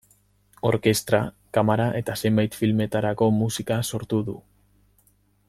Orkestra, kamara eta zenbait filmetarako musika sortu du.